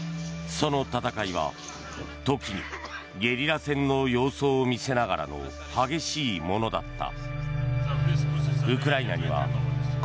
その戦いは、時にゲリラ戦の様相を見せながらの激しいものだった。